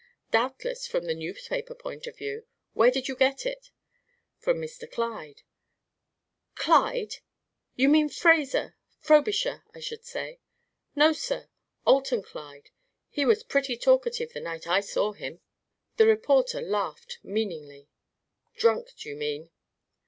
"Doubtless, from the newspaper point of view. Where did you get it?" "From Mr. Clyde." "Clyde! You mean Fraser Frobisher, I should say." "No, sir. Alton Clyde! He was pretty talkative the night I saw him." The reporter laughed, meaningly. "Drunk, do you mean?"